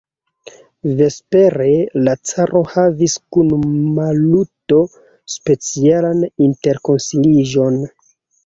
Vespere la caro havis kun Maluto specialan interkonsiliĝon.